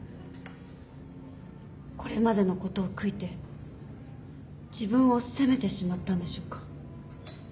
これまでのことを悔いて自分を責めてしまったんでしょうか。